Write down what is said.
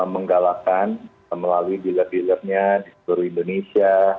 menggalakan melalui dealer dealer nya di seluruh indonesia